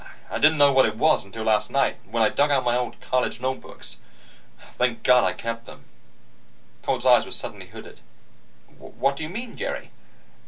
I didn't know what it was until last night, when I dug out my old college notebooks. Thank God I kept them." Coltz's eyes were suddenly hooded. "What do you mean, Jerry?"